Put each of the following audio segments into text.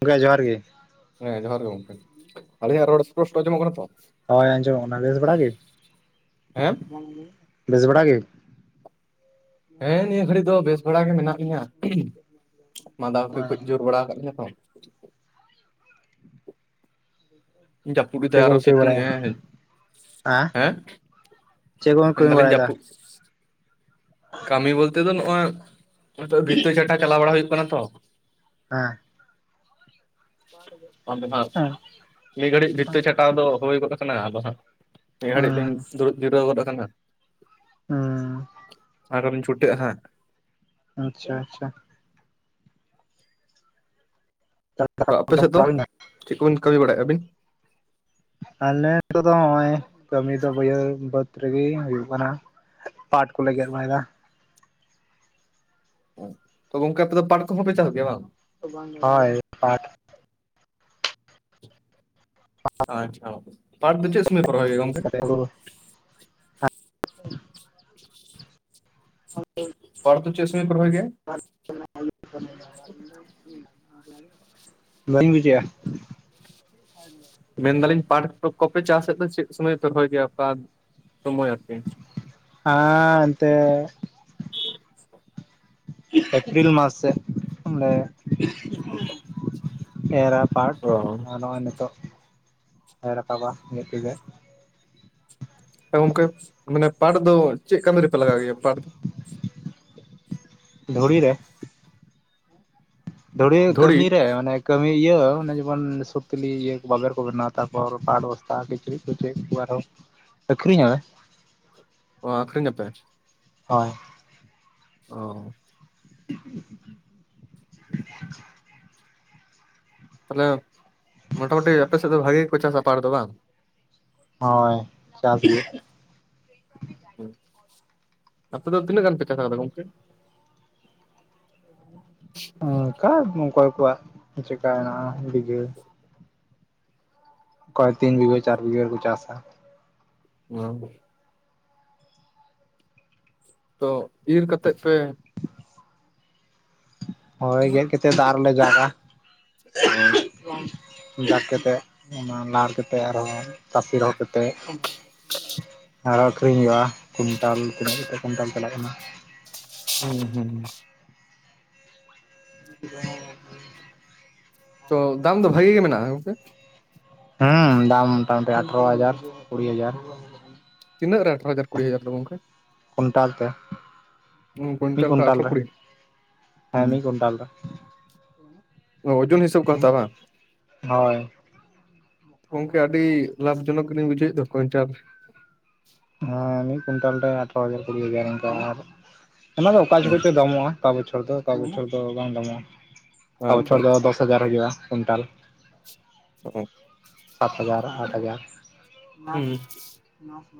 ᱜᱚᱝᱠᱮ ᱡᱚᱦᱟᱨ ᱜᱮ. ᱾ ᱦᱮᱸ ᱡᱚᱦᱟᱨ ᱜᱮ ᱜᱚᱝᱠᱮ, ᱟᱞᱤᱧᱟᱜ ᱨᱚᱲ ᱥᱯᱚᱥᱴᱚ ᱟᱸᱡᱚᱢᱚᱜ ᱠᱟᱱᱟ ᱛᱚ? ᱦᱳᱭ ᱟᱸᱡᱚᱢᱚᱜ ᱠᱟᱱᱟ ᱵᱮᱥ ᱵᱟᱲᱟ ᱜᱮ, ᱦᱮᱸ ᱟᱢ ᱜᱮ ᱵᱮᱥ ᱵᱟᱲᱟ ᱜᱮ? ᱦᱮᱸ ᱱᱤᱭᱟᱹ ᱜᱷᱟᱹᱲᱤᱡ ᱫᱚ ᱵᱮᱥ ᱦᱮᱸ ᱦᱮᱸ ᱦᱮᱸᱻ ᱱᱤᱭᱟᱹ ᱜᱟᱹᱲᱤᱜ ᱫᱚ ᱵᱮᱥ ᱵᱟᱲᱟ ᱜᱮ ᱢᱮᱱᱟᱜ ᱞᱤᱧᱟᱹ ᱢᱟᱫᱟ ᱠᱚᱫᱚ ᱠᱟᱹᱡ ᱡᱳᱨ ᱵᱟᱲᱟ ᱟᱠᱟᱫ ᱞᱤᱧᱟᱹ ᱛᱚ᱾ ᱡᱟᱯᱩᱫ ᱮᱫᱟ ᱪᱮᱫ ᱟᱨ ᱟᱨᱚ ᱠᱚᱢ ᱠᱟᱹᱢᱤ ᱵᱟᱲᱟᱭᱟ ᱥᱤᱛᱩᱝᱮᱜ-ᱟᱭ ᱦᱮᱸ ᱾ ᱦᱮᱸᱼ ᱪᱮᱫ ᱠᱚᱵᱮᱢ ᱠᱟᱹᱢᱤ ᱵᱟᱲᱟᱭᱮᱫᱟ? ᱠᱟᱹᱢᱤ ᱵᱚᱞᱛᱮ ᱫᱚ ᱱᱚᱜ-ᱚᱭ ᱱᱤᱛᱚᱜ ᱵᱷᱤᱛᱟᱹ ᱪᱷᱟᱴᱟ ᱪᱟᱞᱟᱣ ᱵᱟᱲᱟ ᱦᱩᱭᱩᱜ ᱠᱟᱱᱟ ᱛᱚ᱾ ᱦᱮᱸ᱾ ᱱᱤᱭᱟᱹ ᱜᱷᱟᱹᱲᱤᱡ ᱵᱷᱤᱛᱟᱹ ᱪᱷᱟᱴᱟᱣ ᱫᱚ ᱦᱩᱭ ᱜᱚᱫ ᱠᱟᱱᱟ ᱟᱫᱚ ᱦᱟᱸᱜ᱾ ᱱᱤᱭᱟᱹ ᱜᱷᱟᱹᱲᱤᱡ ᱫᱩᱧ ᱦᱩᱸ ᱫᱩᱲᱩᱵ ᱡᱤᱨᱟᱹᱣ ᱜᱚᱫ ᱟᱠᱟᱱᱟ᱾ ᱩᱸᱻ ᱟᱨᱚ ᱦᱚᱸ ᱵᱤᱱ ᱪᱷᱩᱴᱟᱹᱜ-ᱟ ᱦᱟᱸᱜ? ᱟᱪᱪᱷᱟ ᱟᱪᱪᱷᱟ᱾ ᱛᱚ ᱟᱯᱮ ᱥᱮᱫ ᱫᱚ ᱪᱮᱫ ᱠᱚᱵᱤᱱ ᱠᱟᱹᱢᱤ ᱵᱟᱲᱟᱭᱮᱫ-ᱟ ᱟᱵᱤᱱ? ᱟᱞᱞᱮ ᱠᱚᱫᱚ ᱦᱚᱸᱜᱼᱚᱭ ᱠᱟᱹᱢᱤ ᱫᱚ ᱵᱟᱹᱭᱦᱟᱲ ᱵᱟᱹᱫᱽ ᱨᱮᱜᱮ ᱦᱩᱭᱩᱜ ᱠᱟᱱᱟ᱾ ᱯᱟᱴ ᱠᱚᱞ ᱜᱮᱫ ᱵᱟᱲᱟᱭᱮᱫᱟ᱾ ᱛᱚ ᱜᱚᱝᱠᱮ ᱟᱯᱮ ᱫᱚ ᱯᱟᱴ ᱠᱚ ᱦᱚᱸ ᱯᱮ ᱪᱟᱥ ᱜᱮᱭᱟ ᱵᱟᱝ? ᱦᱳᱭ ᱯᱟᱴ᱾ ᱟᱪᱪᱷᱟ ᱯᱟᱴ ᱫᱚ ᱪᱮᱫ ᱥᱚᱢᱚᱭ ᱠᱚ ᱨᱚᱦᱚᱭ ᱜᱮᱭᱟ ᱜᱚᱢᱠᱮ? [unintelligible] ᱯᱟᱴ ᱫᱚ ᱪᱮᱫ ᱥᱚᱢᱚᱭ ᱠᱚ ᱨᱚᱦᱚᱭ ᱜᱮᱭᱟ? ᱵᱟᱞᱤᱧ ᱵᱩᱡᱮᱜᱼᱟ᱾ ᱢᱮᱱ ᱫᱟᱞᱤᱧ ᱯᱟᱴ ᱠᱚᱯᱮ ᱠᱚᱯᱮ ᱪᱟᱥᱮᱫ ᱫᱚ ᱪᱮᱫ ᱥᱚᱢᱚᱭ ᱯᱮ ᱨᱚᱦᱚᱭ ᱜᱮᱭᱟ ᱚᱠᱟ ᱥᱚᱢᱚᱭ ᱟᱨᱠᱤ? ᱟᱸ ᱮᱱᱛᱮ ᱟ-ᱜ᱾ ᱮᱯᱨᱤᱞ ᱢᱟᱥ ᱥᱮᱜ ᱚᱸᱰᱮ᱾ ᱮᱲᱟ ᱯᱟᱴ ᱚ ᱟᱨ ᱱᱚᱜᱼᱚᱭ ᱱᱤᱛᱚᱜ ᱮ ᱲᱟᱠᱟᱵᱟ ᱤᱱᱟᱹᱜ ᱛᱮᱜᱮ᱾ ᱜᱚᱝᱠᱮ ᱢᱟᱱᱮ ᱯᱟᱴ ᱫᱚ ᱪᱮᱫ ᱠᱟᱹᱢᱤ ᱨᱮᱯᱮ ᱞᱟᱜᱟᱣ ᱜᱮᱭᱟ ᱯᱟᱴ ᱫᱚ? ᱫᱷᱩᱲᱤ ᱨᱮ᱾ ᱫᱩᱲᱤ ᱫᱷᱩᱲᱤ ᱠᱟᱹᱢᱤ ᱨᱮ ᱚᱱᱮᱼᱼ ᱠᱟᱹᱢᱤ ᱤᱭᱟᱹ ᱚᱱᱮ ᱡᱮᱢᱚᱱ ᱥᱩᱛᱤᱞᱤ ᱤᱭᱟᱹ ᱵᱟᱵᱮᱨ ᱠᱚ ᱵᱮᱱᱟᱣᱟ ᱛᱟᱯᱚᱨ ᱯᱟᱴ ᱵᱚᱥᱛᱟ ᱠᱟᱹᱡ ᱠᱤᱪᱨᱤᱡ ᱠᱚ ᱪᱮᱫ ᱠᱚ ᱟᱨᱦᱚᱸ ᱟᱹᱠᱷᱨᱤᱧᱟᱞᱮ᱾ ᱚ ᱟᱹᱷᱨᱤᱧ ᱟᱯᱮ? ᱚ᱾ ᱚᱻ [unintelligible] ᱛᱟᱦᱚᱞᱮ ᱢᱚᱴᱟᱢᱩᱴᱤ ᱟᱯᱮ ᱥᱮᱫ ᱫᱚ ᱵᱷᱟᱜᱮ ᱜᱮ ᱠᱚ ᱪᱟᱥ-ᱟ ᱯᱟᱴ ᱫᱚ ᱵᱟᱝ? ᱦᱳᱭ ᱪᱟᱥ ᱜᱮ᱾ ᱦᱳᱭ, ᱟᱯᱮ ᱫᱚ ᱛᱤᱱᱟᱹᱜ ᱜᱟᱱ ᱯᱮ ᱪᱟᱥᱠᱟᱫᱟ ᱜᱚᱝᱠᱮ? ᱚᱱᱠᱟ ᱚᱝᱠᱟ ᱠᱚᱣᱟᱜ ᱪᱮᱠᱟ ᱦᱮᱱᱟᱜᱼᱟ ᱰᱤᱜᱷᱟᱹ᱾ ᱚᱠᱚᱭ ᱛᱤᱱ ᱵᱤᱜᱷᱟᱹ ᱪᱟᱨ ᱵᱤᱜᱷᱟᱹ ᱨᱮᱠᱚ ᱪᱟᱥ-ᱟ᱾ ᱣᱟᱝᱜᱮ᱾ ᱛᱚ ᱤᱨ ᱠᱟᱛᱮᱫ ᱯᱮ [unintelligible] ᱦᱳᱭ ᱜᱚᱠᱮ ᱪᱮᱫ ᱟᱨᱦᱚ ᱞᱮ ᱡᱟᱜᱟ. ᱚ ᱡᱟᱠ ᱠᱟᱛᱮᱫ ᱚᱱᱟ ᱞᱟ ᱠᱟᱛᱮᱫ ᱟᱨᱦᱚᱸ ᱛᱟᱹᱥᱤ ᱨᱚᱦᱚᱲ ᱠᱟᱛᱮᱫ ᱟᱨ ᱟᱠᱷᱨᱤᱧ ᱦᱳᱭᱳᱜ ᱟ ᱠᱩᱭᱱᱴᱟᱞ ᱛᱤᱱᱟᱹᱜ ᱠᱟᱛᱮ ᱠᱩᱭᱱᱴᱟᱞ ᱪᱟᱞᱟᱜ ᱠᱟᱱᱟ ᱦᱩᱸ ᱦᱩᱸ [unintelligible] ᱛᱚ ᱫᱟᱢ ᱫᱚ ᱵᱷᱟᱜᱤ ᱜᱮ ᱢᱮᱱᱟᱜᱼᱟ ᱦᱮᱥᱮ ᱦᱮᱸ ᱫᱟᱢ ᱢᱳᱚᱴᱟᱢᱩᱴᱤ ᱟᱴᱷᱮᱨᱳ ᱦᱟᱡᱟᱨ ᱠᱩᱲᱤ ᱦᱟᱡᱟᱨ ᱛᱤᱱᱟᱹᱜ ᱨᱮ ᱟᱴᱷᱨᱳ ᱦᱟᱡᱟᱨ ᱠᱩᱲᱤ ᱦᱟᱡᱟᱨ ᱫᱚ ᱜᱚᱝᱠᱮ ᱠᱩᱭᱱᱴᱟᱞ ᱛᱮ ᱢᱤᱫ ᱠᱩᱭᱤᱱᱴᱟᱞ ᱠᱩᱭᱱᱴᱟᱞ ᱟᱴᱷᱨᱚ ᱨᱮ ᱠᱩᱲᱤ ᱦᱮᱸ ᱢᱤᱫ ᱠᱩᱭᱱᱴᱟᱞ ᱨᱮ ᱚ ᱳᱡᱳᱱ ᱦᱤᱥᱟᱹᱵ ᱠᱚ ᱦᱟᱛᱟᱣᱟ ᱵᱟᱝ ᱦᱳᱭ ᱜᱚᱢᱠᱮ ᱟᱹᱰᱤ ᱞᱟᱵᱷ ᱡᱚᱱᱚᱠ ᱜᱮᱞᱤᱧ ᱵᱩᱡᱷᱣᱮᱫ ᱫᱚ ᱠᱩᱭᱤᱱᱴᱟᱞ ᱦᱮᱸ ᱢᱤᱫ ᱠᱩᱭᱱᱴᱟᱞ ᱨᱮ ᱟᱴᱷᱷᱟᱨᱚ ᱦᱟᱡᱟᱨ ᱠᱩᱲᱤ ᱦᱟᱡᱟᱨ ᱚᱱᱠᱟ ᱚᱱᱟ ᱫᱚ ᱚᱠᱟ ᱨᱮ ᱡᱚᱠᱷᱚᱡ ᱪᱚ ᱫᱟᱢᱚᱜᱼᱟ ᱚᱠᱟ ᱵᱚᱪᱷᱚᱨ ᱫᱚ ᱚᱠᱟ ᱵᱚᱪᱷᱚᱨ ᱫᱚ ᱵᱟᱝ ᱫᱟᱢᱚᱜᱼᱟ ᱚᱠᱟ ᱟᱪᱪᱷᱟ ᱵᱚᱪᱷᱚᱨ ᱫᱚ ᱟᱪᱪᱷᱟ ᱫᱚᱥ ᱦᱟᱡᱟᱨ ᱦᱩᱭᱩᱜᱼᱟ ᱠᱩᱭᱤᱱᱴᱟᱞ ᱚ ᱥᱟᱛ ᱦᱟᱡᱟᱨ ᱟᱴ ᱦᱟᱡᱟᱨ ᱦᱩᱸ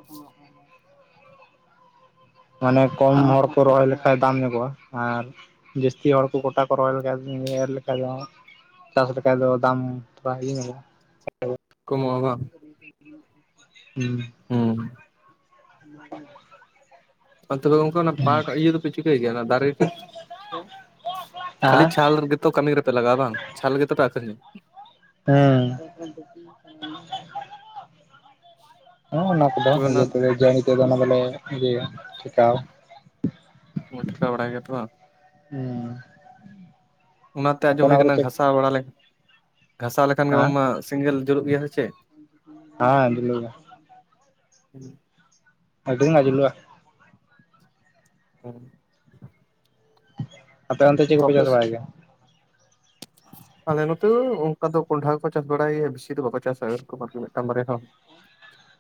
[inaudible] ᱢᱟᱱᱮ ᱠᱚᱢ ᱟᱜ ᱦᱚᱲ ᱠᱚ ᱨᱚᱦᱚᱭ ᱞᱮ ᱠᱷᱟᱭ ᱫᱟᱢ ᱧᱚᱜᱚᱜᱼᱟ ᱟᱨ ᱡᱟᱹᱥᱛᱤ ᱦᱚᱲ ᱠᱚ ᱜᱚᱴᱟ ᱠᱚ ᱨᱚᱦᱚᱭ ᱞᱮᱠᱷᱟ ᱮᱨ ᱞᱮᱠᱷᱟᱱ ᱫᱚ ᱪᱟᱥ ᱞᱮᱠᱟᱱ ᱫᱚ ᱫᱟᱢ ᱛᱷᱚᱲᱟ ᱤᱭᱟᱹ ᱧᱚᱜᱚᱜᱼᱟ ᱠᱚᱢᱚᱜ-ᱟ ᱵᱟᱝ ᱦᱩᱸ ᱦᱩᱸ [unintelligible] ᱟᱨ ᱛᱚᱵᱮ ᱜᱚᱝᱠᱮ ᱚᱱᱟ ᱯᱟᱴ ᱤᱭᱟᱹ ᱫᱚᱯᱮ ᱪᱤᱠᱟᱹᱭ ᱜᱮᱭᱟ ᱚᱱᱟ ᱫᱟᱨᱮ ᱛᱮᱫ ᱠᱷᱟᱹᱞᱤ ᱟᱨ ᱪᱷᱟᱞ ᱜᱮᱛᱚ ᱠᱟᱹᱢᱤ ᱨᱮᱯᱮ ᱞᱟᱜᱟᱜᱼᱟ ᱵᱟᱝ ᱪᱷᱟᱞ ᱜᱮᱛᱚ ᱯᱮ ᱟᱹᱠᱷᱨᱤᱧᱟ ᱦᱮᱸ ᱦᱮᱸ ᱚᱱᱟ ᱠᱚᱫᱚ ᱛᱚᱵᱮ ᱚᱱᱟ ᱱᱤᱡᱮ ᱛᱮᱜᱮ ᱚᱱᱟ ᱫᱚᱞᱮ ᱤᱭᱟᱹ ᱴᱷᱮᱠᱟᱣᱟ ᱚ ᱴᱷᱮᱠᱟᱣ ᱵᱟᱲᱟᱭ ᱜᱮᱭᱟᱯᱮ ᱵᱟᱝ ᱦᱩᱸ ᱚᱱᱟᱛᱮ ᱟᱸᱡᱚᱢ ᱦᱩᱭ ᱠᱟᱱᱟ ᱜᱷᱟᱥᱟᱣ ᱵᱟᱲᱟ ᱜᱷᱟᱥᱟᱣ ᱞᱮᱠᱷᱟᱱ ᱜᱮ ᱦᱮᱸ ᱵᱟᱝᱢᱟ ᱥᱮᱸᱜᱮᱞ ᱡᱩᱞᱩᱜ ᱜᱮᱭᱟ ᱥᱮ ᱪᱮᱫ ᱦᱚᱭ ᱡᱩᱞᱩᱜ ᱜᱮᱭᱟ ᱦᱩ ᱟᱰᱤ ᱢᱚᱡᱽ ᱡᱩᱞᱚᱜᱼᱟ ᱦᱮᱸ ᱟᱯᱮ ᱚᱱᱛᱮ ᱪᱮᱫ ᱠᱚ ᱛᱚ ᱠᱚ ᱟᱯᱮ ᱪᱟᱥ ᱥᱮᱫ ᱵᱟᱲᱟᱭ ᱜᱮᱭᱟ [inaudible] ᱟᱞᱮ ᱱᱚᱛᱮ ᱚᱱᱠᱟ ᱫᱚ ᱠᱚᱸᱰᱷᱟ ᱠᱚ ᱪᱟᱥ ᱵᱟᱲᱟᱭᱟ ᱵᱮᱥᱤ ᱫᱚ ᱵᱟᱠᱚ ᱪᱟᱥᱟ ᱳᱭᱨᱚᱠᱢ ᱟᱨᱠᱤ ᱢᱤᱫᱴᱟᱝ ᱵᱟᱨᱭᱟ᱾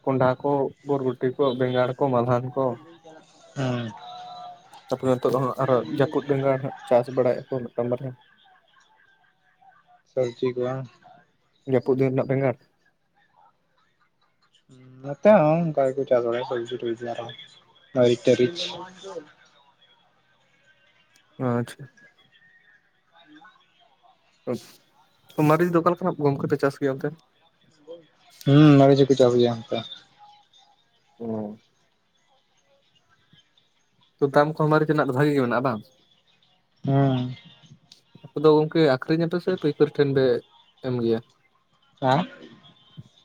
ᱠᱚᱸᱰᱷᱟ ᱠᱚ ᱵᱚᱨᱵᱩᱴᱤ ᱠᱚ ᱵᱮᱸᱜᱟᱲ ᱠᱚ ᱢᱟᱞᱦᱟᱱ ᱠᱚ ᱦᱩᱸ ᱛᱟᱯᱚᱨᱮ ᱱᱤᱛᱚᱜ ᱫᱚ ᱦᱟᱸᱜ ᱟᱨᱦᱚ ᱡᱟᱯᱩᱫ ᱵᱮᱸᱜᱟᱲ ᱦᱟᱸᱜ ᱪᱟᱥ ᱵᱟᱲᱟᱭ ᱟᱠᱚ ᱢᱤᱫᱴᱟᱝ ᱵᱟᱨᱭᱟ ᱥᱚᱵᱡᱤ ᱠᱚ ᱵᱟᱝ ᱡᱟᱹᱯᱩ ᱫᱤᱱ ᱨᱮᱱᱟᱜ ᱵᱮᱸᱜᱟᱲ ᱱᱚᱛᱮ ᱦᱚᱸ ᱚᱱᱠᱟ ᱜᱮᱠᱚ ᱪᱟᱥ ᱵᱟᱲᱟᱭᱟ ᱥᱚᱵᱡᱤ-ᱴᱚᱵᱡᱤ ᱢᱟᱨᱤᱪ-ᱴᱟᱨᱤᱪ ᱟᱪᱪᱷᱟ ᱢᱟᱹᱨᱤᱪ ᱫᱚ ᱚᱠᱟ ᱞᱮᱠᱟᱱᱟᱜ ᱜᱚᱢᱠᱮ ᱯᱮ ᱪᱟᱥ ᱜᱮᱭᱟ ᱚᱱᱛᱮ ᱦᱩᱸ ᱢᱟᱨᱤᱪ ᱦᱚᱸᱠᱚ ᱪᱟᱥ ᱜᱮᱭᱟ ᱚᱱᱠᱟ ᱚ ᱛᱚ ᱫᱟᱢ ᱠᱚᱦᱚᱸ ᱢᱟᱨᱤᱪ ᱨᱮᱱᱟᱜ ᱫᱚ ᱵᱷᱟᱜᱤ ᱜᱮ ᱢᱮᱱᱟᱜᱼᱟ ᱵᱟᱝ? ᱦᱩᱸ᱾ ᱟᱯᱮ ᱫᱚ ᱜᱚᱢᱠᱮ ᱟᱠᱷᱨᱤᱧ ᱟᱯᱮ ᱥᱮ ᱯᱟᱹᱭᱠᱟᱹᱨ ᱴᱷᱮᱱ ᱯᱮ ᱮᱢ ᱜᱮᱭᱟ? ᱦᱟᱸ?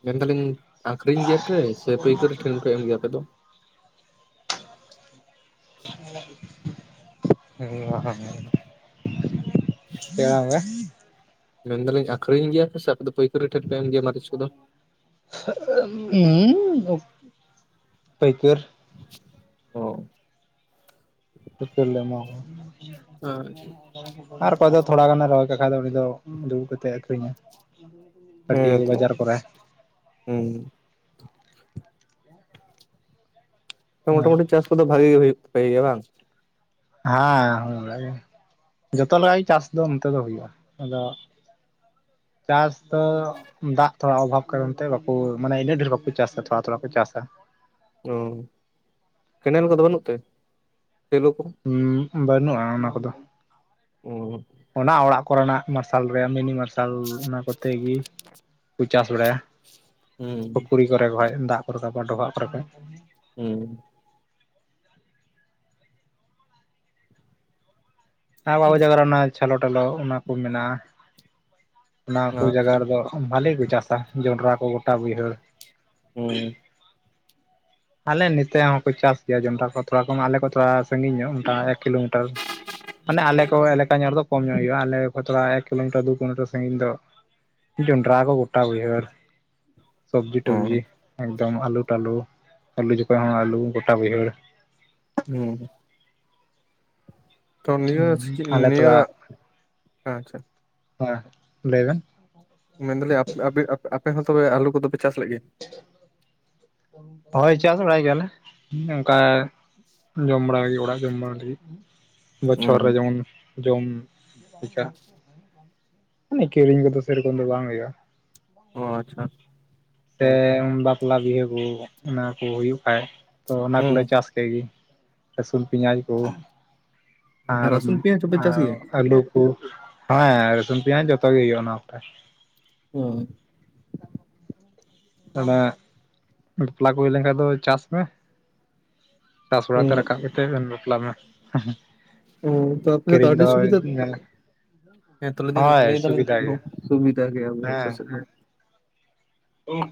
ᱢᱮᱱᱫᱟᱞᱤᱧ ᱟᱠᱷᱨᱤᱧ ᱜᱮᱭᱟᱯᱮ ᱥᱮ ᱯᱟᱹᱭᱠᱟᱹᱨᱤ ᱴᱷᱮᱱ ᱯᱮ ᱮᱢ ᱜᱮᱭᱟ ᱟᱯᱮ ᱫᱚ? ᱦᱮᱸ [unintelligible] ᱪᱮᱠᱟ ᱦᱚᱸ ᱵᱟ [inaudible] ᱢᱮᱱ ᱫᱟᱞᱤᱧ ᱟᱠᱨᱤᱧ ᱜᱮᱭᱟ ᱯᱮ ᱥᱮ ᱟᱯᱮ ᱫᱚ ᱯᱟᱹᱭᱠᱟᱹᱨᱤ ᱴᱷᱮᱱ ᱯᱮ ᱮᱢ ᱜᱮᱭᱟ? ᱠᱚᱫᱚ? ᱩᱻ ᱯᱟᱹᱭᱠᱟᱹᱨ ᱦᱚᱻ ᱯᱟᱹᱭᱠᱟᱹᱨ ᱞᱮ ᱮᱢᱟ ᱟᱪᱪᱷᱟ᱾ ᱠᱚᱣᱟ᱾ ᱟᱨ ᱚᱠᱚᱭ ᱫᱚ ᱛᱷᱚᱲᱟ ᱜᱟᱱᱮ ᱨᱚᱦᱚᱭ ᱠᱟᱜ ᱠᱷᱟᱡ ᱫᱚ ᱩᱱᱤ ᱫᱚ ᱫᱩᱲᱩᱵ ᱠᱟᱛᱮᱜ ᱮ ᱟᱹᱷᱨᱤᱧᱟ ᱾ [unintelligible] ᱦᱮᱸ ᱛᱚ ᱦᱮᱸ ᱾ ᱦᱮᱸ ᱢᱚᱴᱟᱢᱩᱴᱤ ᱪᱟᱥ ᱠᱚᱫᱚ ᱵᱷᱟᱜᱤ ᱜᱮ ᱦᱩᱭᱩᱜ ᱛᱟᱯᱮ ᱜᱮᱭᱟ ᱵᱟᱝ? ᱦᱮᱸ ᱦᱚ ᱚᱱᱠᱟᱜᱮ ᱡᱚᱛᱚ ᱞᱮᱠᱟ ᱜᱮ ᱪᱟᱥ ᱫᱚ ᱚᱱᱛᱮ ᱫᱚ ᱦᱩᱭᱩᱜᱼᱟ᱾ ᱟᱫᱚ ᱪᱟᱥ ᱫᱚ ᱫᱟᱜ ᱛᱷᱚᱲᱟ ᱚᱵᱷᱟᱵᱽ ᱠᱟᱨᱚᱱ ᱛᱮ ᱵᱟᱠᱚ ᱢᱟᱱᱮ ᱤᱱᱟᱹᱜ ᱰᱷᱮᱨ ᱵᱟᱠᱚ ᱪᱟᱥᱟ ᱛᱷᱚᱲᱟ ᱛᱷᱚᱲᱟ ᱠᱚ ᱪᱟᱥᱟ ᱾ ᱚᱻ ᱠᱮᱱᱮᱞ ᱠᱚᱫᱚ ᱵᱟᱹᱱᱩᱜ ᱛᱮ ᱥᱮᱞᱳ ᱠᱚ? ᱦᱩᱸ ᱵᱟᱹᱱᱩᱜᱼᱟ ᱚᱱᱟ ᱠᱚᱫᱚ, ᱚ ᱚᱱᱟ ᱚᱲᱟᱜ ᱠᱚᱨᱮᱱᱟᱜ ᱢᱟᱨᱥᱟᱞ ᱨᱮᱭᱟᱜ ᱢᱤᱱᱤ ᱢᱟᱨᱥᱟᱞ ᱚᱱᱟ ᱠᱚᱛᱮ ᱜᱮ ᱠᱚ ᱪᱟᱥ ᱵᱟᱲᱟᱭᱟ ᱦᱩᱸ ᱾ ᱯᱩᱠᱷᱨᱤ ᱠᱚᱨᱮ ᱠᱷᱚᱡ ᱫᱟᱜ ᱠᱚ ᱨᱟᱠᱟᱵᱟ ᱰᱚᱵᱷᱟᱜ ᱠᱚᱨᱮ ᱠᱷᱚᱡ ᱾ ᱦᱩᱸ᱾ ᱟᱨ [inaudible] ᱚᱱᱟ ᱪᱷᱞᱚ ᱴᱚᱞᱳ ᱚᱱᱟ ᱠᱚ ᱢᱮᱱᱟᱜᱼᱟ ᱾ ᱚᱱᱟ ᱠᱚ ᱡᱟᱭᱜᱟ ᱟᱪᱪᱷᱟ᱾ ᱨᱮᱫᱚ ᱵᱷᱟᱞᱮ ᱠᱚ ᱪᱟᱥᱟ ᱡᱚᱱᱰᱨᱟ ᱠᱚ ᱜᱳᱴᱟ ᱵᱟᱹᱭᱦᱟᱹᱲ ᱾ ᱦᱩᱸ ᱟᱞᱮ ᱱᱮᱛᱮ ᱦᱚᱸᱠᱚ ᱪᱟᱥ ᱜᱮᱭᱟ ᱡᱚᱱᱰᱨᱟ ᱠᱚ ᱛᱷᱚᱲᱟ ᱠᱚ ᱢᱟ ᱟᱞᱮ ᱠᱚ ᱛᱷᱚᱲᱟ ᱥᱟᱺᱜᱤᱧ ᱧᱚᱜ ᱚᱱᱠᱟ ᱮᱠ ᱠᱤᱞᱳᱢᱤ ᱢᱟᱱᱮ ᱟᱞᱮ ᱠᱚ ᱮᱞᱟᱠᱟ ᱧᱚᱜ ᱨᱮᱫᱚ ᱠᱚᱢ ᱧᱚᱜ ᱦᱩᱭᱩᱜᱼᱟ ᱟᱞᱮ ᱠᱷ ᱛᱷᱚᱲᱟ ᱮᱠ ᱠᱤᱞᱳᱢᱤᱴᱟᱨ ᱫᱩ ᱠᱤᱞᱳᱢᱤᱴᱟᱨ ᱥᱟᱺᱜᱤᱧ ᱫᱚ ᱡᱚᱱᱰᱨᱟ ᱠᱚ ᱜᱚᱴᱟ ᱵᱟᱹᱭᱦᱟᱲ ᱾ ᱥᱚᱵᱽᱡᱤ ᱚ ᱴᱚᱵᱡᱤ ᱮᱠᱫᱚᱢ ᱟᱹᱞᱩ ᱴᱟᱞᱩ ᱟᱹᱞᱩ ᱡᱚᱠᱷᱚᱡ ᱦᱚᱸ ᱟᱹᱞᱩ ᱜᱚᱴᱟ ᱵᱟᱹᱭᱦᱟᱹᱲ ᱾ ᱦᱮᱸ᱾ ᱛᱚ ᱱᱤᱭᱟᱹ ᱥᱤᱡᱤ, ᱟᱞᱮ ᱛᱷᱚᱲᱟ ᱱᱤᱭᱟᱹ ᱟᱪᱷᱟ ᱦᱮᱸ ᱞᱟᱹᱭᱵᱮᱱ? ᱢᱮᱱᱫᱟᱞᱤᱧ ᱟᱯᱮ ᱦᱚᱸ ᱛᱚᱵᱮ ᱟᱞᱩ ᱠᱚᱫᱚᱯᱮ ᱪᱟᱥ ᱞᱮᱜ ᱜᱮᱭᱟ? [unintelligible] ᱦᱳᱭ ᱪᱟᱥ ᱵᱟᱲᱟᱭ ᱜᱮᱭᱟᱞᱮ ᱚᱱᱠᱟ ᱡᱚᱢ ᱵᱟᱲᱟᱭ ᱞᱟᱹᱜᱤᱫ ᱚᱲᱟᱜ ᱡᱚᱢ ᱵᱟᱲᱟ ᱞᱟᱹᱜᱤᱫ ᱾ ᱦᱩᱸ ᱵᱚᱪᱷᱚᱨ ᱨᱮ ᱦᱩᱸ ᱡᱮᱢᱚᱱ ᱡᱚᱢ ᱞᱮᱠᱟ᱾ ᱢᱟᱱᱮ ᱠᱤᱨᱤᱧ ᱠᱚᱫᱚ ᱥᱮᱨᱚᱠᱚᱢ ᱫᱚ ᱵᱟᱝ ᱦᱩᱭᱩᱜᱼᱟ ᱾ ᱚᱻ ᱟᱪᱪᱷᱟ ᱾ ᱥᱮ ᱵᱟᱯᱞᱟ ᱵᱤᱦᱟᱹ ᱠᱚ ᱚᱱᱟ ᱠᱚ ᱦᱩᱭᱩᱜ ᱠᱷᱟᱡ ᱛᱚ ᱚᱱᱟ ᱠᱚᱞᱮ ᱦᱩᱸ ᱪᱟᱥ ᱛᱮ ᱜᱮ ᱨᱟᱹᱥᱩᱱ, ᱯᱮᱭᱟᱡᱽ ᱠᱚ ᱟᱨ ᱨᱟᱹᱥᱩᱱ ᱯᱮᱸᱭᱟᱡᱽ ᱦᱚᱸᱯᱮ ᱪᱟᱥ ᱜᱮᱭᱟ? ᱟᱹᱞᱩ ᱾ ᱦᱮᱸ ᱨᱟᱥᱩᱱ ᱯᱮᱸᱭᱟᱡᱽ ᱡᱚᱛᱚ ᱜᱮ ᱦᱩᱭᱩᱜᱼᱟ ᱚᱱᱟ ᱚᱠᱛᱮ ᱾ ᱦᱚ [unintelligible] ᱛᱟᱦᱞᱮ ᱵᱟᱯᱞᱟ ᱠᱚ ᱦᱩᱭ ᱞᱮᱱᱠᱷᱟᱡ ᱫᱚ ᱪᱟᱥ ᱢᱮ᱾ ᱪᱟᱥ ᱵᱟᱲᱟᱛᱮ ᱦᱩᱸ ᱨᱟᱠᱟᱵ ᱠᱟᱛᱮᱫ ᱵᱮᱱ ᱵᱟᱯᱞᱟ ᱢᱮ‌᱾ ᱦᱩᱸ, ᱛᱚ ᱚᱯᱮ ᱥᱮᱫ ᱫᱚ ᱟᱹᱰᱤ ᱥᱩᱵᱤᱫᱷᱟ ᱦᱮᱸ ᱛᱚ ᱞᱮ ᱫᱤᱧ ᱦᱳᱭ ᱞᱟᱹᱭ ᱫᱟᱞᱤᱧ ᱥᱩᱵᱤᱫᱷᱟ ᱜᱮᱭᱟ ᱵᱚᱦᱩ ᱥᱩᱵᱤᱫᱟ ᱜᱮᱭᱟ ᱟᱞᱮ ᱥᱮᱫ ᱦᱮᱸ ᱾ ᱦᱮᱸ ᱾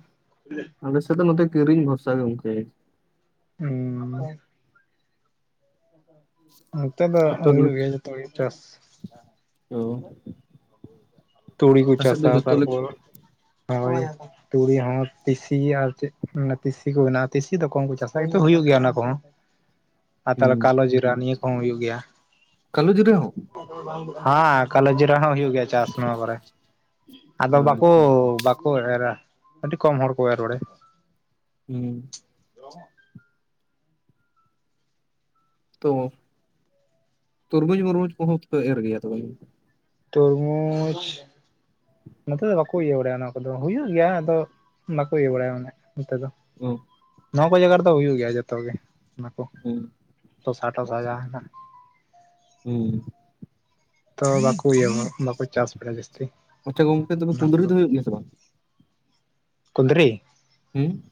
ᱟᱞᱮ ᱥᱮᱫ ᱫᱚ ᱥᱮᱛᱚ ᱱᱚᱛᱮ ᱠᱤᱨᱤᱧ ᱵᱷᱚᱨᱥᱟ ᱜᱮ ᱜᱚᱝᱠᱮ ᱾ ᱦᱮᱸ ᱾ ᱱᱚᱸᱛᱮ ᱫᱚ ᱡᱚᱛᱚ ᱜᱮᱞᱮ ᱦᱩᱭᱩᱜ ᱜᱮᱭᱟ ᱡᱚᱛᱚ ᱜᱮ ᱪᱟᱥ ᱾ ᱚ ᱾ [unintelligible] ᱛᱩᱲᱤ ᱠᱚ ᱪᱟᱥᱟ ᱡᱚᱛᱚ ᱞᱮᱠᱟ ᱛᱟᱨᱯᱚᱨ ᱦᱳᱭ ᱛᱩᱲᱤ ᱦᱚᱸᱛ ᱯᱤᱥᱤ ᱟᱨ ᱪᱮᱫ? ᱚᱱᱟ ᱛᱤᱥᱤ ᱠᱚ ᱢᱮᱱᱟᱜᱼᱟ ᱛᱤᱥᱤ ᱫᱚᱠᱚᱢ ᱠᱚ ᱪᱟᱥᱟ ᱠᱤᱱᱛᱩ ᱦᱩᱭᱩᱜ ᱜᱮᱭᱟ ᱚᱱᱟ ᱠᱚᱦᱚᱸ ᱾ ᱟᱨ ᱛᱟᱦᱚᱞᱮ ᱠᱟᱞᱳ ᱡᱤᱨᱟ ᱱᱤᱭᱟᱹ ᱠᱚᱦᱚᱸ ᱦᱩᱭᱩᱜ ᱜᱮᱭᱟ ᱠᱟᱞᱳ ᱡᱤᱨᱟᱹ ᱦᱚᱸ ᱾ ᱦᱟᱸ ᱠᱟᱞᱚ ᱡᱤᱨᱟ ᱦᱚᱸ ᱦᱩᱭᱩᱜ ᱜᱮᱭᱟ ᱪᱟᱥ ᱱᱚᱣᱟ ᱠᱚᱨᱮ ᱾ ᱟᱫᱚ ᱵᱟᱠᱚ ᱟᱪᱪᱷᱟ ᱵᱟᱠᱚ ᱮᱨᱟ ᱟᱹᱰᱤ ᱠᱚᱢ ᱦᱚᱲ ᱠᱚ ᱮᱨ ᱵᱟᱲᱟᱭᱟ ᱾ ᱦᱩᱸ ᱾ ᱛᱚ ᱛᱚᱨᱢᱩᱡᱽ ᱢᱚᱨᱢᱩᱡᱽ ᱠᱚᱦᱚ ᱯᱮ ᱮᱨ ᱜᱮᱭᱟ ᱛᱚ [inaudible] ᱛᱚᱨᱢᱩᱡᱽ! ᱱᱚᱛᱮ ᱫᱚ ᱵᱟᱠᱚ ᱤᱭᱟᱹ ᱵᱟᱲᱟᱭᱟ ᱚᱱᱟ ᱠᱚᱫᱚ, ᱦᱩᱭᱩᱜ ᱜᱮᱭᱟ ᱟᱫᱚ ᱵᱟᱠᱚ ᱤᱭᱟᱹ ᱵᱟᱲᱟᱭ ᱚᱱᱮ ᱱᱚᱛᱮ ᱫᱚ ᱾ [inaudible] ᱱᱚᱣᱟ ᱠᱚ ᱡᱟᱭᱜᱟ ᱨᱮᱫᱚ ᱦᱩᱭᱩᱜ ᱜᱮᱭᱟ ᱡᱷᱚᱛᱚ ᱜᱮ ᱚᱱᱟ ᱠᱚ ᱦᱩᱸ ᱥᱚᱥᱟ ᱴᱚᱥᱟ ᱡᱟ ᱦᱮᱱᱟᱜᱼᱟ ᱾ ᱦᱩᱸ ᱾ ᱛᱚ ᱵᱟᱠᱚ ᱤᱭᱟᱹ ᱵᱟᱠᱚ ᱪᱟᱥ ᱵᱟᱲᱟᱭᱟ ᱡᱟᱹᱥᱛᱤ ᱟᱪᱪᱷᱟ ᱜᱚᱝᱠᱮ ᱛᱚᱵᱮ ᱚᱱᱟ ᱠᱩᱸᱫᱽᱨᱤ ᱠᱚᱫᱚ ᱫᱚ ᱾ ᱦᱩᱭᱩᱜ ᱜᱮᱭᱟ ᱥᱮ ᱵᱟᱝ? ᱠᱩᱱᱫᱨᱤ! ᱦᱩᱸ!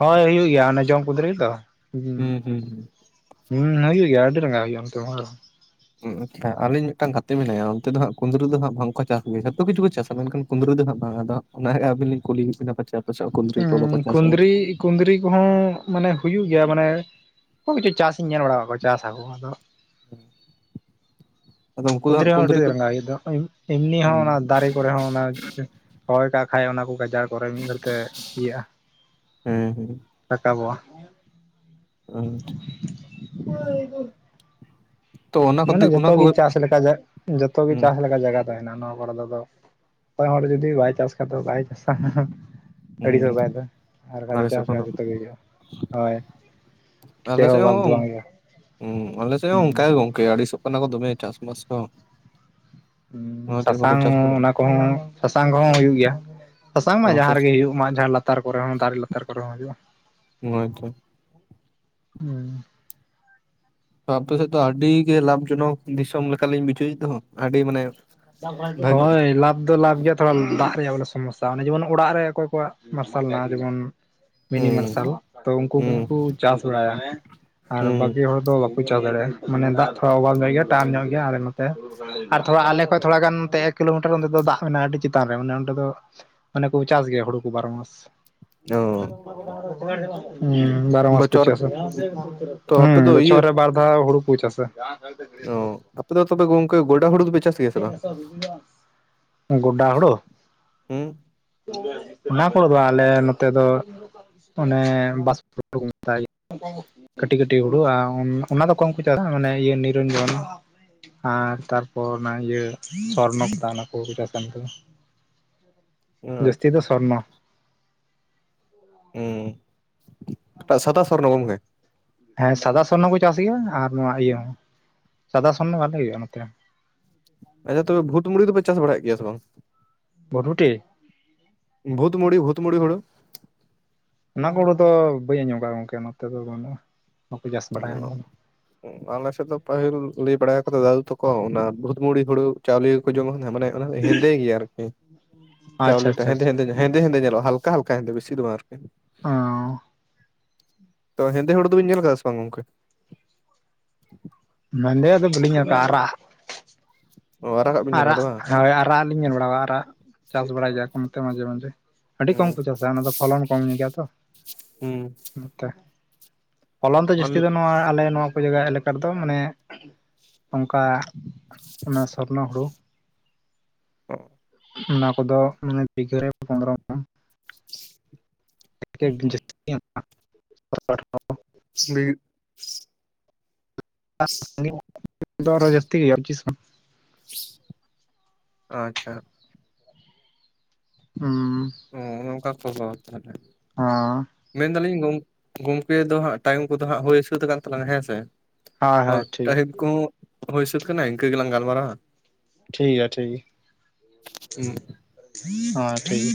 ᱦᱚᱭ ᱦᱩᱭᱩᱜ ᱜᱮᱭᱟ, ᱚᱱᱮ ᱡᱚᱢ ᱠᱩᱱᱫᱨᱤ ᱨᱮ ᱫᱚ ᱦᱩᱸ ᱾ ᱦᱩᱸ ᱦᱩᱭᱩᱜ ᱜᱮᱭᱟ ᱟᱹᱰᱤ ᱨᱟᱸᱜᱟ ᱦᱩᱭᱩᱜᱼᱟ ᱱᱚᱛᱮ ᱢᱟ ᱟᱨᱦᱚᱸ ᱾ ᱟᱪᱪᱷᱟ ᱟᱹᱞᱤᱧ ᱢᱤᱫᱴᱟᱝ ᱜᱟᱛᱮ ᱢᱮᱱᱟᱭᱟ ᱚᱱᱛᱮ ᱫᱚ ᱦᱟᱸᱜ ᱠᱩᱱᱫᱽᱨᱤ ᱫᱚ ᱦᱟᱸᱜ ᱵᱟᱝ ᱠᱚ ᱪᱟᱥ ᱜᱮᱭᱟ, ᱡᱷᱚᱛᱚ ᱠᱤᱪᱷᱩ ᱠᱚ ᱪᱟᱥᱟ ᱢᱮᱱᱠᱷᱟᱱ‌ ᱠᱩᱱᱫᱽᱲᱨᱤ ᱫᱚ ᱦᱟᱸᱜ ᱵᱟᱝ ᱟᱫᱚ ᱚᱱᱟᱜᱮ ᱟᱹᱵᱤᱱ ᱞᱤᱧ ᱠᱩᱞᱤ ᱮᱜ ᱵᱤᱱᱟ ᱯᱟᱪᱮ ᱟᱯᱮ ᱥᱮᱫ ᱦᱚᱸ ᱠᱩᱸᱱᱫᱽᱨᱤ ᱠᱚ ᱵᱟᱠᱚ ᱪᱟᱥᱼᱟ! ᱠᱩᱸᱫᱽᱨᱤ ᱠᱚᱦᱚ ᱢᱟᱱᱮ ᱦᱩᱭᱩᱜ ᱜᱮᱭᱟ ᱢᱟᱱᱮ [inaudible] ᱪᱟᱥ ᱤᱧ ᱧᱮᱞ ᱵᱟᱲᱟ ᱟᱠᱟᱫ ᱠᱚᱣᱟ ᱪᱟᱥᱟ ᱟᱠᱚ ᱾ ᱟᱫᱚ [inaudible] ᱟᱫᱚ ᱩᱱᱠᱩ ᱫᱚ ᱦᱟᱸᱜ ᱠᱩᱫᱽᱨᱤ ᱦᱚ ᱟᱹᱰᱤ ᱠᱩᱸᱫᱽᱨᱤ ᱠᱚ ᱨᱟᱸᱜᱟ ᱦᱩᱭᱩᱜ ᱫᱚ ᱦᱚᱭ ᱮᱢᱱᱤ ᱦᱚ ᱦᱩᱸ ᱚᱱᱟ ᱫᱟᱨᱮ ᱠᱚᱨᱮ ᱦᱚ ᱚᱱᱟ ᱨᱚᱦᱚᱭ ᱠᱟᱜ ᱠᱷᱟᱡ ᱚᱱᱟ ᱠᱚ ᱜᱟᱡᱟᱲ ᱠᱚᱨᱮ ᱢᱤᱫ ᱜᱷᱟᱹᱲᱤᱡ ᱛᱮ ᱤᱭᱟᱹᱜᱼᱟ ᱦᱮᱸ ᱦᱮᱸ ᱾ ᱨᱟᱠᱟᱵ ᱚᱜᱼᱟ᱾ ᱦᱩᱸ ᱾ [inaudible] ᱛᱚ ᱚᱱᱟ ᱠᱚᱛᱮ ᱢᱟᱱᱮ ᱚᱱᱟ ᱡᱷᱚᱛᱚ ᱠᱚ ᱜᱮ ᱪᱟᱥ ᱞᱮᱠᱟ ᱡᱟ ᱡᱷᱚᱛᱚ ᱜᱮ ᱦᱩᱸ ᱪᱟᱥ ᱞᱮᱠᱟ ᱡᱟᱭ ᱜᱟ ᱦᱮᱱᱟᱜᱼᱟ ᱱᱚᱣᱟ ᱠᱚᱨᱮ ᱫᱚ ᱟᱫᱚ ᱚᱠᱚᱭ ᱦᱚᱲ ᱡᱩᱫᱤ ᱵᱟᱭ ᱪᱟᱥ ᱠᱷᱟᱡ ᱫᱚ ᱵᱟᱭ ᱪᱟᱥᱟ ᱾ ᱟᱹᱲᱤ ᱫᱚ ᱦᱩᱸ ᱵᱟᱭ ᱫᱚ ᱟᱨ ᱵᱟᱠᱷᱟᱡ ᱫᱚ ᱟᱞᱮ ᱥᱮᱫ ᱪᱟᱥ ᱠᱷᱚᱱ ᱞᱮᱠᱷᱟᱡ ᱡᱷᱚᱛᱚ ᱜᱮ ᱦᱩᱭᱩᱜᱼᱟ ᱦᱳᱭ ᱾ ᱟᱞᱮ ᱥᱮᱜ ᱦᱚᱸ ᱦᱩᱸ ᱟᱞᱮ ᱥᱮᱜ ᱦᱚᱸ ᱚᱝᱠᱟ ᱦᱩᱸ ᱜᱮ ᱜᱚᱝ ᱠᱮ ᱟᱲᱤ ᱥᱚᱛᱚ ᱱᱟ ᱚᱱᱟ ᱠᱚ ᱫᱚᱢᱮ ᱪᱟᱥ ᱵᱟᱥ ᱠᱚ ᱦᱩᱸ ᱚᱱᱟᱛᱮ ᱵᱟᱠᱚ ᱥᱟᱥᱟᱝ ᱪᱟᱥ ᱵᱟᱲᱟᱜ ᱚᱱᱟ ᱠᱚᱦᱚ ᱥᱟᱥᱟᱝ ᱠᱚᱦᱚ ᱦᱩᱭᱩᱜ ᱜᱮᱭᱟ, ᱥᱟᱥᱟᱝ ᱢᱟ ᱡᱟᱦᱟ ᱦᱳᱭᱛᱚ ᱨᱮᱜᱮ ᱦᱩᱭᱩᱜ ᱢᱟᱜᱡᱷᱟᱲ ᱞᱟᱛᱟᱨ ᱠᱚᱨᱮ ᱦᱚᱸ ᱫᱟᱨᱮ ᱞᱟᱛᱟᱨ ᱠᱚᱨᱮ ᱦᱚᱸ ᱦᱩᱭᱩᱜᱼᱟ ᱾ ᱦᱳᱭ ᱛᱚ ᱾ ᱦᱩᱸ ᱾ ᱟᱯᱮ ᱥᱮᱫ ᱫᱚ ᱟᱹᱰᱤ ᱜᱮ ᱞᱟᱵᱷᱽ ᱡᱚᱱᱚᱠ ᱫᱤᱥᱚᱢ ᱞᱮᱠᱟ ᱞᱤᱧ ᱵᱩᱡᱷᱟᱹᱣᱮᱫ ᱫᱚ ᱦᱟᱸᱜ ᱟᱹᱰᱤ ᱢᱟᱱᱮ ᱵᱷᱟᱜᱤ ᱦᱳᱭ ᱞᱟᱵᱷᱽ ᱫᱚ ᱞᱟᱵᱷᱽ ᱜᱮᱭᱟ, ᱛᱷᱚᱲᱟ ᱫᱟᱜ ᱨᱮᱭᱟᱜ ᱚᱱᱟ ᱥᱚᱢᱚᱥᱟ ᱡᱮᱢᱚᱱ ᱚᱲᱟᱜ ᱨᱮ ᱚᱠᱚᱭ ᱠᱚᱣᱟᱜ ᱢᱟᱨᱥᱟᱞ ᱢᱮᱱᱟᱜ-ᱟ ᱡᱮᱢᱚᱱ ᱢᱤᱱᱤ ᱦᱩᱸ ᱢᱟᱨᱥᱟᱞ ᱛᱚ ᱩᱱᱠᱩ ᱦᱩᱸ ᱠᱚᱠᱩ ᱪᱟᱥ ᱵᱟᱲᱟᱭᱟ᱾ ᱟᱨ ᱦᱩᱸ ᱵᱟᱠᱤ ᱦᱚᱲ ᱫᱚ ᱵᱟᱠᱚ ᱪᱟᱥ ᱫᱟᱲᱮᱜᱟ᱾ ᱢᱟᱱᱮ ᱫᱟᱜ ᱛᱷᱚᱲᱟ ᱚᱵᱟᱵ ᱧᱚᱜ ᱜᱮᱭᱟ ᱴᱟᱱ ᱧᱚᱜ ᱜᱮᱭᱟ ᱟᱞᱮ ᱱᱚᱛᱮ, ᱟᱨ ᱛᱷᱚᱲᱟ ᱟᱞᱮ ᱦᱚᱭ ᱛᱷᱚᱲᱟ ᱜᱟᱱ ᱱᱚᱛᱮ ᱮᱠ ᱠᱤᱞᱳᱢᱤᱴᱟᱨ ᱚᱸᱰᱮ ᱫᱚ ᱫᱟᱜ ᱢᱮᱱᱟᱜ-ᱟ ᱟᱹᱰᱤ ᱪᱮᱛᱟᱱ ᱨᱮ ᱢᱟᱱᱮ ᱚᱸᱰᱮ ᱫᱚ ᱢᱟᱱᱮ ᱠᱚ ᱪᱟᱥ ᱜᱮᱭᱟ ᱦᱩᱲᱩ ᱠᱩ ᱵᱟᱨᱚ ᱢᱟᱥ, ᱚ ᱦᱩᱸ ᱵᱟᱨᱚ ᱢᱟᱥ ᱠᱚ ᱵᱚᱪᱷᱚᱨ ᱪᱟᱥᱟ ᱛᱚ ᱟᱯᱮ ᱦᱩᱸ ᱫᱚ ᱤᱭᱟᱹ ᱵᱚᱪᱷᱚᱨ ᱨᱮ ᱵᱟᱨ ᱫᱷᱟᱣ ᱦᱩᱲᱩ ᱠᱩ ᱪᱟᱥᱟ᱾ ᱚ ᱟᱯᱮ ᱫᱚ ᱛᱚᱵᱮ ᱜᱚᱝᱠᱮ ᱜᱚᱰᱟ ᱦᱩᱲᱩ ᱫᱚ ᱪᱟᱥ ᱜᱮᱭᱟ ᱥᱮ ᱵᱟᱝ? ᱜᱳᱰᱟ ᱦᱩᱲᱳ ᱦᱩᱸ ᱚᱱᱟ ᱠᱚᱫᱚ ᱟᱞᱮ ᱱᱚᱛᱮ ᱫᱚ ᱚᱱᱮ ᱵᱟᱥ ᱠᱟᱹᱴᱤᱜ ᱠᱟᱹᱴᱤᱜ ᱦᱩᱲᱩ-ᱟ ᱚᱱᱟ ᱫᱚ ᱠᱚᱢ ᱠᱚ ᱪᱟᱥᱟ ᱢᱟᱱᱮ ᱤᱭᱟᱹ ᱱᱤᱨᱚᱱᱡᱚᱱ, ᱟᱨ ᱛᱟᱨᱯᱚᱨ ᱚᱱᱟ ᱤᱭᱟᱹ ᱥᱚᱨᱱᱚ ᱞᱚᱛᱟ ᱚᱱᱟ ᱠᱚ ᱡᱟᱹᱥᱛᱤ ᱫᱚ ᱟᱪᱪᱷᱟ ᱥᱚᱨᱱᱚ᱾ ᱩ ᱥᱟᱫᱟ ᱥᱚᱨᱱᱚ ᱜᱚᱢᱠᱮ? ᱦᱮᱸ ᱥᱟᱫᱟ ᱥᱚᱨᱱᱚ ᱠᱚ ᱪᱟᱥ ᱜᱮᱭᱟ ᱟᱨ ᱱᱚᱣᱟ ᱤᱭᱟᱹ ᱦᱚ ᱥᱟᱫᱟ ᱥᱚᱨᱚᱱᱚ ᱵᱷᱟᱞᱮ ᱦᱩᱭᱩᱜ-ᱟ ᱱᱚᱛᱮ᱾ ᱟᱪᱪᱷᱟ ᱛᱚᱵᱮ ᱵᱷᱩᱛ ᱢᱩᱨᱤ ᱫᱚᱯᱮ ᱪᱟᱥ ᱵᱟᱲᱟᱭᱮᱜ ᱜᱮᱭᱟ ᱥᱮ ᱵᱟᱝ? ᱵᱷᱚᱴ ᱵᱷᱩᱴᱤ ᱵᱷᱩᱛ ᱢᱩᱲᱤ ᱵᱷᱩᱛ ᱢᱩᱲᱤ ᱦᱩᱲᱩ? ᱚᱱᱟ ᱠᱚᱩᱲᱩ ᱫᱚ ᱵᱟᱹᱧ ᱟᱸᱡᱚᱢ ᱠᱟᱜ-ᱟ ᱜᱚᱝᱠᱮ ᱱᱚᱛᱮ ᱫᱚ ᱵᱟᱹᱱᱩᱜ-ᱟ᱾ [unintelligible] ᱟᱞ ᱥᱮᱫ ᱫᱚ ᱯᱟᱹᱦᱤᱞ ᱞᱟᱹᱭ ᱵᱟᱲᱟ ᱠᱟᱫᱟ ᱫᱟᱩ ᱛᱟᱠᱚ ᱦᱚ ᱚᱱᱟ ᱵᱷᱩᱛᱢᱩᱲᱤ ᱦᱩᱲᱩ ᱪᱟᱣᱞᱮ ᱜᱮᱠᱚ ᱡᱚᱢ ᱠᱟᱱ ᱛᱟᱦᱮᱸ ᱢᱟᱱᱮ ᱦᱮᱸᱫᱮ ᱜᱮᱭᱟ ᱟᱨᱠᱤ ᱟᱪᱪᱷᱟ ᱪᱟᱣᱞᱮᱴᱟ ᱟᱪᱪᱷᱟ ᱟᱪᱪᱷᱟ ᱦᱮᱸᱫᱮ ᱦᱮᱸᱫᱮ ᱣᱮᱞᱚ ᱦᱟᱞ ᱠᱟ ᱦᱟᱞᱠᱟ ᱜᱮ ᱵᱤᱥᱤ ᱫᱚ ᱵᱟ ᱟᱨᱠᱤ᱾ ᱚᱸ ᱛᱚ ᱦᱮᱸᱫᱮ ᱦᱚᱲᱩ ᱫᱩᱵᱤᱱ ᱧᱮᱞ ᱠᱟᱫᱟ ᱥᱮ ᱵᱟᱝ ᱜᱚᱢᱠᱮ? ᱵᱟᱸᱫᱮ ᱭᱟᱜ ᱫᱚ ᱵᱟᱹᱞᱤᱧ ᱧᱮᱞ ᱠᱟᱜ-ᱟ ᱟᱨᱟᱜ ᱚ ᱟᱨᱟᱜᱟᱜ ᱵᱤᱱ ᱟᱜ ᱧᱮᱞ ᱟᱨᱟᱜ ᱠᱟᱫᱟ ᱟᱜ ᱦᱳᱭ ᱟᱨᱟ ᱨᱟᱜ ᱞᱤᱧ ᱧᱮᱞ ᱵᱟᱲᱟᱣᱟ ᱟᱨᱟᱜ ᱪᱟᱥ ᱵᱟᱲᱟᱭ ᱜᱮᱭᱟ ᱠᱚ ᱱᱚᱛᱮ ᱢᱟᱡᱷᱮ ᱢᱟᱡᱷᱮ᱾ ᱟᱹᱰᱤ ᱠᱚᱢ ᱵᱟᱝ? ᱠᱚ ᱪᱟᱥᱟ ᱚᱱᱟ ᱫᱚ ᱯᱷᱚᱞᱚᱱ ᱠᱚᱢ ᱧᱚᱜ ᱜᱮᱭᱟ ᱛᱚ ᱦᱩᱸ ᱱᱟᱛᱮ᱾ ᱯᱷᱚᱞᱚᱱ ᱫᱚ ᱡᱟᱹᱥᱛᱤ ᱫᱚ ᱱᱚᱣᱟ ᱟᱞᱮ ᱱᱚᱣᱟ ᱠᱚ ᱡᱟᱜᱟ ᱮᱞᱟᱠᱟ ᱨᱮᱫᱚ ᱢᱟᱱᱮ ᱚᱝᱠᱟ ᱚᱱᱟ ᱥᱚᱨᱱᱚ ᱦᱩᱲᱩ᱾ ᱚᱸ ᱚᱱᱟ ᱠᱚᱫᱚ ᱢᱟᱱᱮ ᱵᱤᱜᱷᱟᱹ ᱨᱮ ᱯᱚᱸᱫᱨᱚ [unintelligible] [unintelligible] [unintelligible] ᱟ ᱪᱷᱟ ᱩᱸᱻ ᱚ ᱱᱚᱝᱠᱟ ᱠᱷᱳᱵᱳ ᱛᱟᱦᱞᱮ ᱦᱟᱸ ᱢᱮᱱᱫᱟᱞᱤᱧ ᱜᱚᱢ ᱜᱚᱢᱠᱮ ᱫᱚ ᱦᱟᱸᱜ ᱴᱟᱭᱤᱢ ᱠᱚᱫᱚ ᱦᱟᱸᱜ ᱦᱩᱭ ᱥᱟᱹᱛ ᱠᱟᱱ ᱛᱟᱞᱟᱝᱟ ᱦᱮᱸ ᱥᱮ, ᱦᱳᱭ ᱦᱚᱸ ᱦᱳᱭ ᱴᱷᱤᱠ ᱴᱟᱭᱤᱢ ᱠᱚᱦᱚ ᱦᱩᱭ ᱥᱟᱹᱛ ᱠᱟᱱᱟ ᱠᱟᱹ ᱜᱮᱞᱟᱝ ᱜᱟᱞᱢᱟᱨᱟᱣ-ᱟ, ᱴᱷᱤᱠ ᱜᱮᱭᱟ ᱴᱷᱤᱠ ᱜᱮᱭᱟ ᱦᱩᱸ [inaudible]